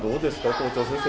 校長先生